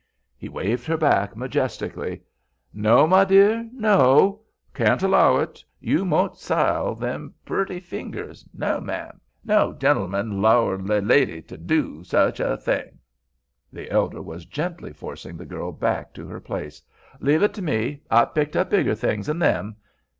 He waved her back majestically. "No, my dear, no; can't allow it. You mout sile them purty fingers. No, ma'am. No gen'l'man'll 'low er lady to do such a thing." The elder was gently forcing the girl back to her place. "Leave it to me. I've picked up bigger things 'n them.